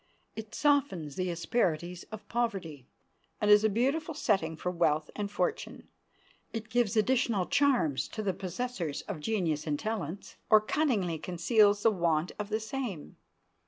It softens the asperities of poverty and is a beautiful setting for wealth and fortune. It gives additional charms to the possessor of genius and talents, or cunningly conceals the want of the same.